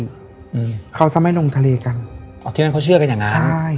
อืมเขาจะไม่ลงทะเลกันอ๋อที่นั่นเขาเชื่อกันอย่างงั้นใช่